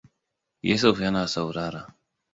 Yusuf yana saurara.